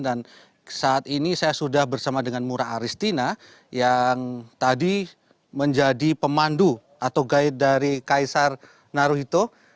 saat ini saya sudah bersama dengan mura aristina yang tadi menjadi pemandu atau guide dari kaisar naruhito